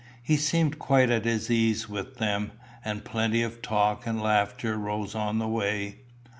He seemed quite at his ease with them, and plenty of talk and laughter rose on the way.